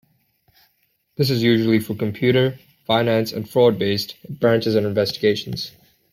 This is usually for computer, finance and fraud based branches and investigations.